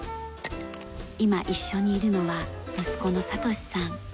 今一緒にいるのは息子の智志さん。